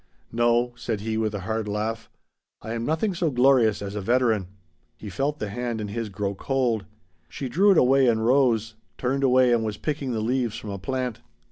"No," said he with a hard laugh, "I am nothing so glorious as a veteran." He felt the hand in his grow cold. She drew it away and rose; turned away and was picking the leaves from a plant.